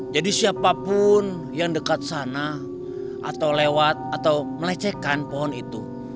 jadi siapapun yang dekat sana atau lewat atau melecehkan pohon itu